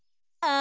あ！